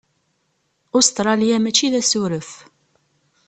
Ustṛalya mačči d asuref.